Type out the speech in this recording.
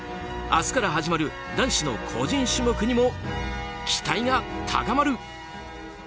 明日から始まる男子の個人種目にも期待が高まる。